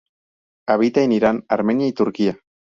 Habita en Irán, Armenia y Turquía.